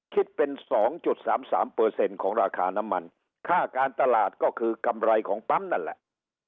คิดเป็น๒๓๓เปอร์เซ็นต์ของราคาน้ำมันค่าการตลาดก็คือกำไรของปั๊มนั่นแหละ